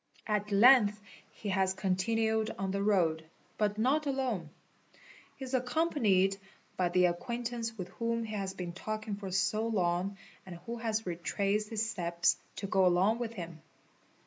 At length he has continued on the road, but not alone. He is accompanied by the acquaintance with whom he has been talking for so long and who has retraced his steps to go along with him.